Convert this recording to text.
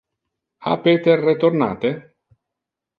Ha Peter retornate?